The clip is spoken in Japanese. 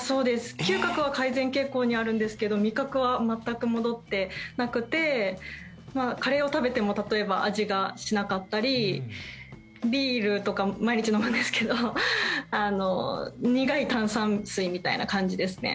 嗅覚は改善傾向にあるんですけど味覚は全く戻ってなくてカレーを食べても例えば味がしなかったりビールとか毎日飲むんですけど苦い炭酸水みたいな感じですね。